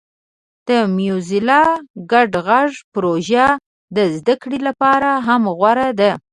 د موزیلا ګډ غږ پروژه د زده کړې لپاره هم غوره ده.